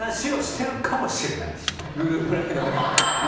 グループＬＩＮＥの中で？